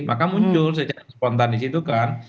maka muncul secara spontan di situ kan